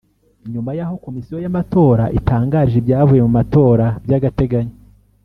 nyuma y’aho Komisiyo y’Amatora itangarije ibyavuye mu matora by’agateganyo